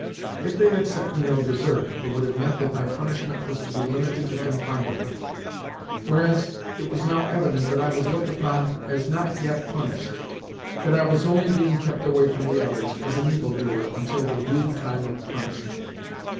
If they had sent me no dessert, it would have meant that my punishment was to be limited to confinement; whereas it was now evident that I was looked upon as not yet punished—that I was only being kept away from the others, as an evil doer, until the due time of punishment.